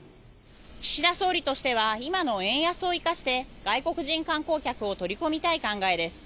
岸田総理としては今の円安を生かして外国人観光客を取り込みたい考えです。